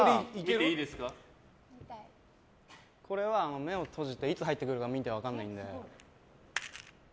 これは、目を閉じてミンティアがいつ入ってくるか分からないので。